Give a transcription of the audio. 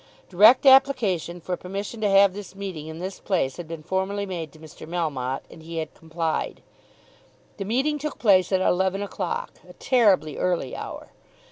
Direct application for permission to have this meeting in this place had been formally made to Mr. Melmotte, and he had complied. The meeting took place at eleven o'clock a terribly early hour.